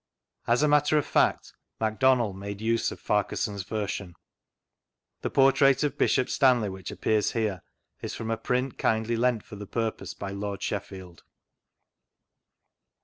As a matter of fact McDonnell made use of Farquharson's version. The portrait of Bishop Stanley which appears here is from a print kindly lent for the purpose by Lord Shefl^ld.